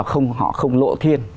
họ không lộ thiên